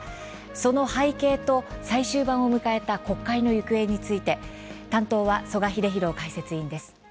その背景と最終盤を迎えた国会の行方について担当は曽我英弘解説委員です。